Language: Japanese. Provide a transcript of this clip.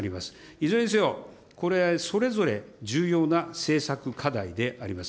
いずれにせよ、これ、それぞれ重要な政策課題であります。